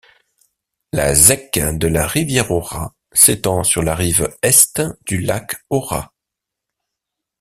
La zec de la Rivière-aux-Rats s’étend sur la rive Est du Lac aux Rats.